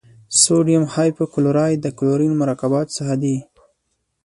سوډیم هایپو کلورایټ د کلورین مرکباتو څخه دی.